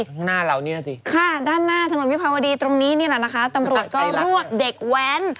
ข้างหน้าเราเนี่ยสิค่ะด้านหน้าถนนวิภาวดีตรงนี้นี่แหละนะคะตำรวจก็รวบเด็กแว้น